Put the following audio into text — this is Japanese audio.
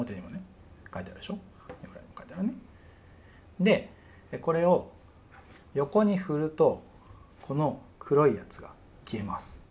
でこれを横に振るとこの黒いやつが消えます。